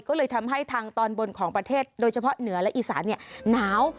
ก็เลยทำให้ทางตอนบนของประเทศโดยเฉพาะเหนือและอีสานหนาว